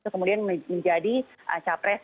kemudian menjadi capres